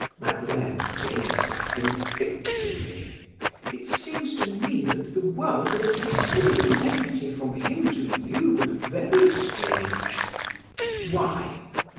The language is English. Madeleine gazed at him fixedly: "It seems to me that the world would have considered a legacy from him to you very strange." "Why?"